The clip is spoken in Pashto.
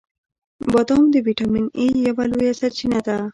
• بادام د ویټامین ای یوه لویه سرچینه ده.